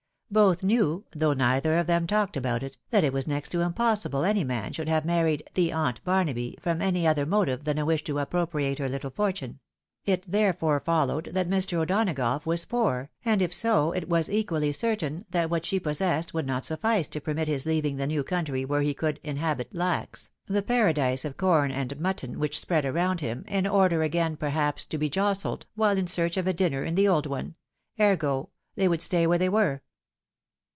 Both knew, though neither of them talked about it, that it was next to impossible any man should have married " the aunt Barnaby " from any other motive than a wish to appropriate her Uttle fortune ; it therefore followed, that Mr. O'Donagough was poor, and, if so, it was equally certain, that what she possessed would not suffice to permit his leaving the new country where he could "inhabit lax," the paradise of corn and mutton, wliioh spread around him, in order again, perhaps, to be jostled, while in search of a dinner, in the old one — ergo, they would stay where they were.